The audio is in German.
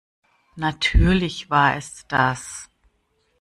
Natürlich war es das.